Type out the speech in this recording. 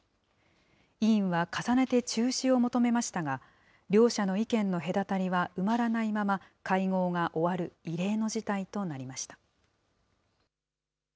委員は重ねて中止を求めましたが、両者の意見の隔たりは埋まらないまま会合が終わる異例の事態となりました。